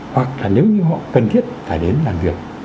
hoặc là nếu như họ cần thiết phải đến làm việc